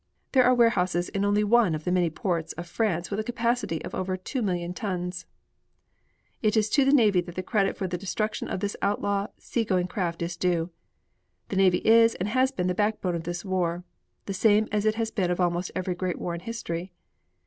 There are warehouses in only one of the many ports of France with a capacity of over 2,000,000 tons. It is to the navy that the credit for the destruction of this outlaw seagoing craft is due. The navy is and has been the backbone of this war, the same as it has been of almost every great war in history.